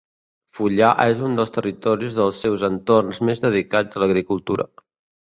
Fullà és un dels territoris dels seus entorns més dedicats a l'agricultura.